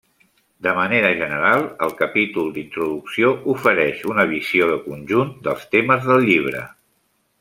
De manera general, el capítol d'introducció ofereix una visió de conjunt dels temes del llibre.